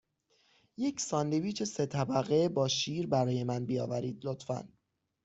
یک ساندویچ سه طبقه با شیر برای من بیاورید، لطفاً.